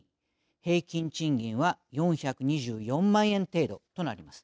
平均賃金は４２４万円程度となります。